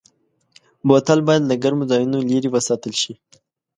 بوتل باید له ګرمو ځایونو لېرې وساتل شي.